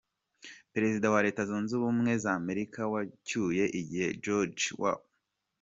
Perezida wa Leta zunze ubumwe z’ Amerika wacyuye igihe George W.